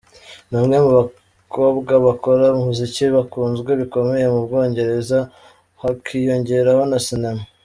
Ni umwe mu bakobwa bakora umuziki bakunzwe bikomeye mu Bwongereza hakiyongeraho na sinema.